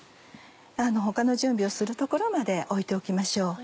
他の準備をするところまで置いておきましょう。